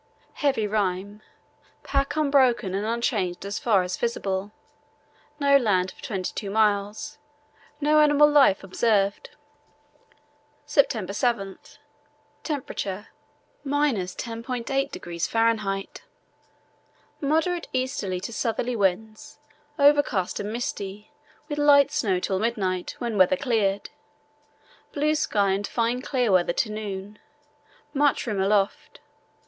Heavy rime. Pack unbroken and unchanged as far as visible. No land for 22 miles. No animal life observed." "September 7.—Temperature, –10.8° Fahr. Moderate easterly to southerly winds, overcast and misty, with light snow till midnight, when weather cleared. Blue sky and fine clear weather to noon. Much rime aloft.